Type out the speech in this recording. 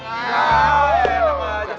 wah enak aja